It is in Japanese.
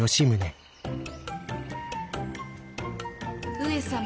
上様